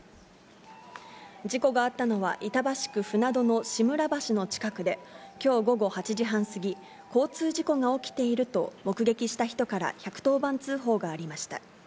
事故があったのは、板橋区舟渡の志村橋の近くで、きょう午後８時半過ぎ、交通事故が起きていると、目撃した人から１１０番通報がありました。